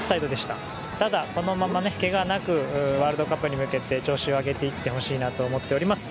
ただこのままね、怪我なくワールドカップに向けて調子を上げていってほしいなと思っております。